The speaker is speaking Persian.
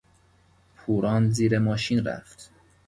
پوران زیر ماشین رفت.